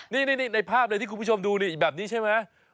นี่ในภาพเลยที่คุณผู้ชมดูนี่แบบนี้ใช่ไหม